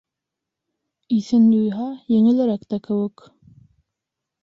Иҫен юйһа, еңелерәк тә кеүек.